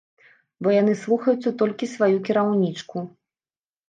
Бо яны слухаюцца толькі сваю кіраўнічку.